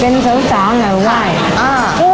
เป็นสาวมาไหว้